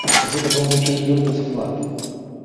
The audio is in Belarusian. Гэта быў мой чацвёрты склад.